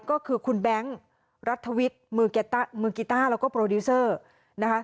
ก็คือคุณแบงค์รัฐวิทย์มือกีต้าแล้วก็โปรดิวเซอร์นะคะ